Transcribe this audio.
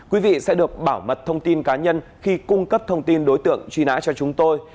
quý vị sẽ được bảo mật thông tin cá nhân khi cung cấp thông tin đối tượng truy nã cho chúng tôi